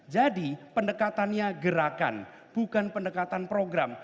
jadi pendekatannya gerakan bukan pendekatan program